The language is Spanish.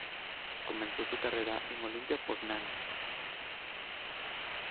Comenzó su carrera en Olimpia Poznań.